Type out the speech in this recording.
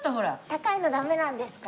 高いのダメなんですか？